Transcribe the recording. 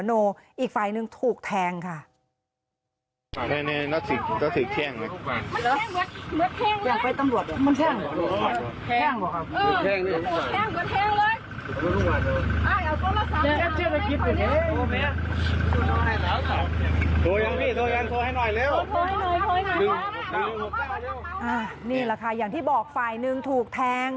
นี่แหละค่ะอย่างที่บอกฝ่ายหนึ่งถูกแทง